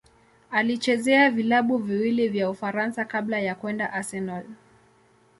Alichezea vilabu viwili vya Ufaransa kabla ya kwenda Arsenal.